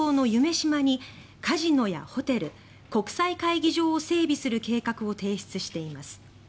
洲にカジノやホテル、国際会議場を整備する計画を提出しています。